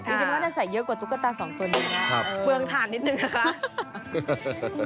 ดิฉันก็จะใส่เยอะกว่าตุ๊กตาสองตัวนี้ค่ะครับเบื้องถ่านนิดหนึ่งนะคะ